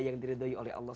yang diridui oleh allah